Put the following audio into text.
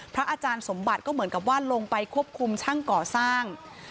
อาจารย์สมบัติก็เหมือนกับว่าลงไปควบคุมช่างก่อสร้าง